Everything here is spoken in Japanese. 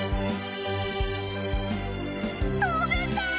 とべた！